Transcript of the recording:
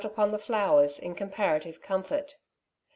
upon the flowers in comparative comfort.